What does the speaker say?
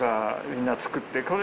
みんな作ってこれ。